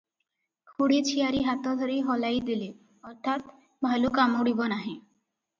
ଖୁଡ଼ି ଝିଆରୀ ହାତ ଧରି ହଲାଇ ଦେଲେ - ଅର୍ଥାତ୍, ଭାଲୁ କାମୁଡ଼ିବ ନାହିଁ ।